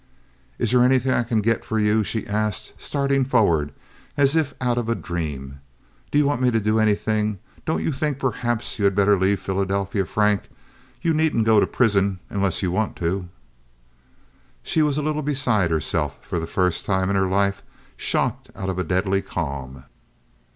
"Is there anything I can get for you?" she asked, starting forward as if out of a dream. "Do you want me to do anything? Don't you think perhaps you had better leave Philadelphia, Frank? You needn't go to prison unless you want to." She was a little beside herself, for the first time in her life shocked out of a deadly calm.